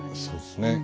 そうですね。